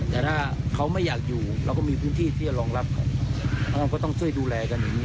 แต่ถ้าเขาไม่อยากอยู่เราก็มีพื้นที่ที่จะรองรับเขาเราก็ต้องช่วยดูแลกันอย่างนี้